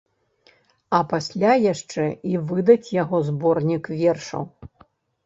А пасля яшчэ і выдаць яго зборнік вершаў.